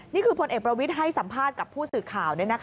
พลเอกประวิทย์ให้สัมภาษณ์กับผู้สื่อข่าว